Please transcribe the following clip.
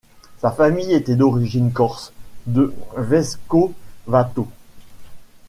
Sa famille était d'origine corse, de Vescovato.